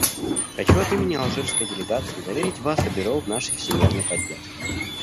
Хочу от имени алжирской делегации заверить Вас и Бюро в нашей всемерной поддержке.